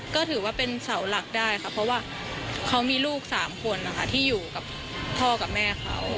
ก็ถือว่าเป็นเสาหลักได้ค่ะเพราะว่าเขามีลูก๓คนนะคะที่อยู่กับพ่อกับแม่เขา